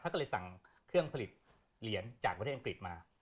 ก็เลยสั่งเครื่องผลิตเหรียญจากประเทศอังกฤษมา